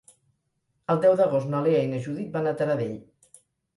El deu d'agost na Lea i na Judit van a Taradell.